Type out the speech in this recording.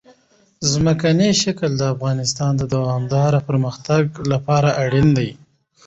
ځمکنی شکل د افغانستان د دوامداره پرمختګ لپاره اړین دي.